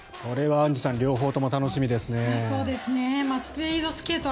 これはアンジュさん両方とも楽しみですね。